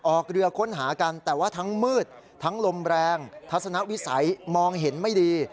ออกเรือค้นหากันแต่ว่าทั้งมืดทั้งลมแรงทัศนวิสัยมองเห็นไม่ดี